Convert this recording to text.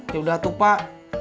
yaudah tuh pak